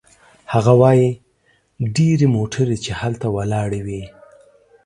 هغه وايي: "ډېرې موټرې چې هلته ولاړې وې